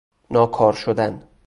ناکار شدن